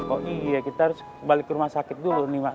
oh iya kita harus balik ke rumah sakit dulu nih pak